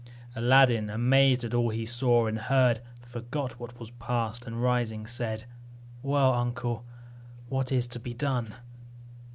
Aladdin, amazed at all he saw and heard, forgot what was past, and rising said, "Well, uncle, what is to be done?